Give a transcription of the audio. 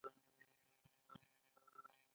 آیا د کورونو بیې په تهران کې لوړې نه دي؟